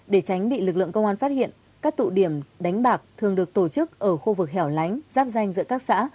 để tránh bị lực lượng công an phát hiện các tụ điểm đánh bạc thường được tổ chức ở khu vực hẻo lánh giáp danh giữa các xã